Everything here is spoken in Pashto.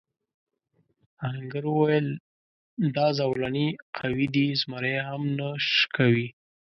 آهنګر وویل دا زولنې قوي دي زمری هم نه شکوي.